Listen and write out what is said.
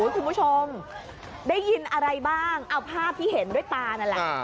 คุณผู้ชมได้ยินอะไรบ้างเอาภาพที่เห็นด้วยตานั่นแหละ